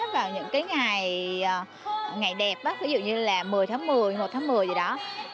vào những cái ngày đẹp ví dụ như là một mươi tháng một mươi một tháng một mươi gì đó